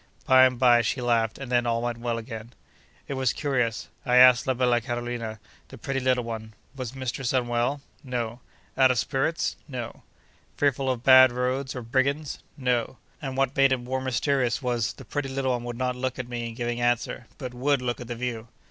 By and by, she laughed, and then all went well again. It was curious. I asked la bella Carolina, the pretty little one, Was mistress unwell?—No.—Out of spirits?—No.—Fearful of bad roads, or brigands?—No. And what made it more mysterious was, the pretty little one would not look at me in giving answer, but would look at the view.